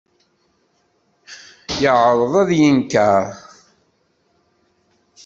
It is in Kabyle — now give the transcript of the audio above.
Yeɛreḍ ad d-yenker.